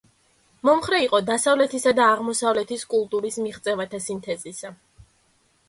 მომხრე იყო დასავლეთისა და აღმოსავლეთის კულტურის მიღწევათა სინთეზისა.